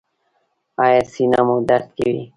ایا سینه مو درد کوي؟